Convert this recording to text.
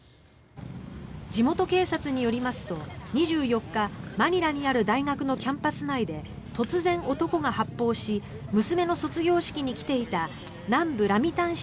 地元警察によりますと２４日マニラにある大学のキャンパス内で突然、男が発砲し娘の卒業式に来ていた南部ラミタン